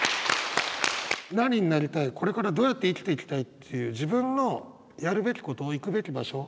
何になりたいこれからどうやって生きていきたいっていう自分のやるべきこと行くべき場所